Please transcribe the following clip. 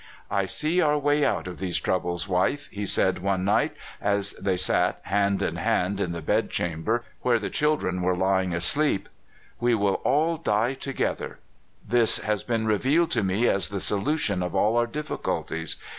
*' I see our way out of these troubles, wife," he said one night, as they sat hand in hand in the bedchamber, where the children were lying asleep. " We will all die together ! This has been revealed to me as the solution of all our difficulties.